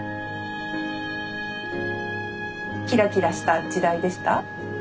キラキラした時代でした？